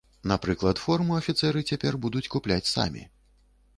Напрыклад, форму афіцэры цяпер будуць купляць самі.